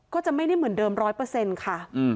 ก็จะไม่ได้เหมือนเดิม๑๐๐ค่ะ